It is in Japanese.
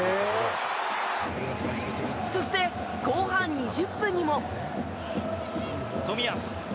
そして、後半２０分にも。